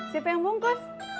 siapa yang bungkus